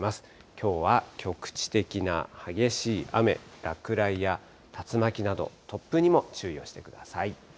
きょうは局地的な激しい雨、落雷や竜巻など突風にも注意をしてください。